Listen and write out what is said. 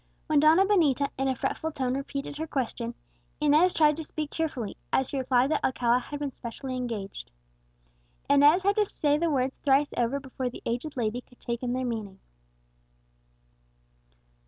When Donna Benita, in a fretful tone, repeated her question, Inez tried to speak cheerfully, as she replied that Alcala had been specially engaged. Inez had to say the words thrice over before the aged lady could take in their meaning.